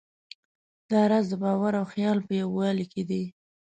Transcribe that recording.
دا راز د باور او خیال په یووالي کې دی.